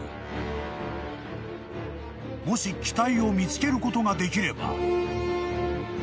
［もし機体を見つけることができれば］